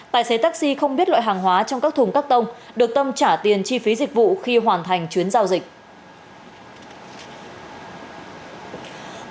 tài xế taxi không biết loại hàng hóa trong các thùng cắt tông được tâm trả tiền chi phí dịch vụ khi hoàn thành chuyến giao dịch